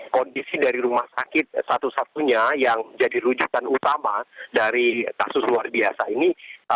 kondisi dari rumah sakit satu satunya yang jadi rujukan utama dari kasus luar biasa ini